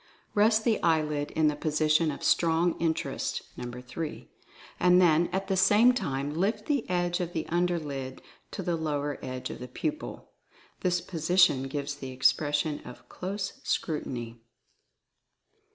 Rest the eyelid in the position of Strong Interest (No. 3), and then at the same time lift the edge of the under lid to the lower edge of the pupil. This position gives the expression of Close Scrutiny.